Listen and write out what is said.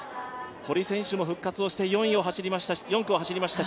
堀選手も復活をして４区を走りましたし。